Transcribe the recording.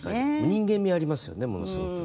人間味ありますよねものすごく。